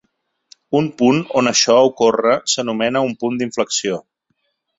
Un punt on això ocorre s'anomena un punt d'inflexió.